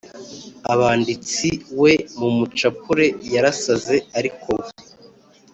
abanditsi, “we, mumucapure, 'yarasaze ariko we'